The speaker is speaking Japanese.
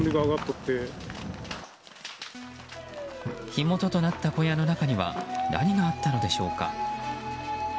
火元となった小屋の中には何があったのでしょうか。